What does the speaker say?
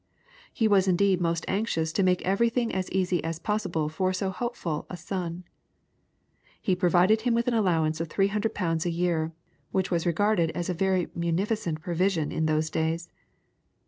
He was indeed most anxious to make everything as easy as possible for so hopeful a son. He provided him with an allowance of 300 pounds a year, which was regarded as a very munificent provision in those days.